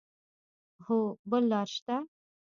هو، بل لار شته